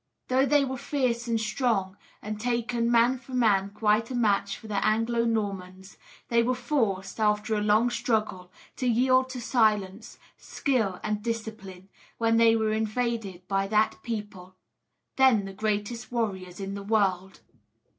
Though they were fierce and strong, and taken man for man quite a match for the Anglo Normans, they were forced, after a long struggle, to yield to science, skill, and discipline, when they were invaded by that people then the greatest warriors in the world.